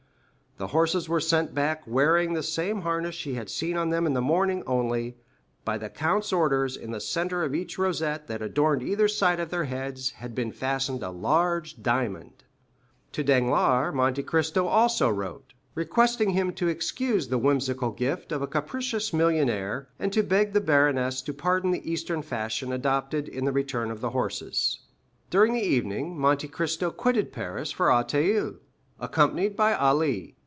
The horses were sent back wearing the same harness she had seen on them in the morning; only, by the count's orders, in the centre of each rosette that adorned either side of their heads, had been fastened a large diamond. To Danglars Monte Cristo also wrote, requesting him to excuse the whimsical gift of a capricious millionaire, and to beg the baroness to pardon the Eastern fashion adopted in the return of the horses. During the evening, Monte Cristo quitted Paris for Auteuil, accompanied by Ali.